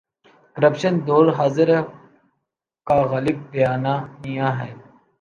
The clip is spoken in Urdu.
کرپشن دور حاضر کا غالب بیانیہ ہے۔